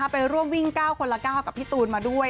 ไปร่วมวิ่ง๙คนละ๙กับพี่ตูนมาด้วย